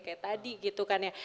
kayak tadi gitu kan ya